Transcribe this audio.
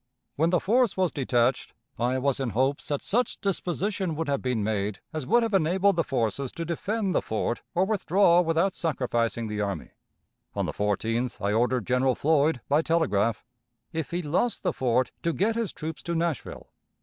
"When the force was detached, I was in hopes that such disposition would have been made as would have enabled the forces to defend the fort or withdraw without sacrificing the army. On the 14th I ordered General Floyd, by telegraph, 'If he lost the fort, to get his troops to Nashville.'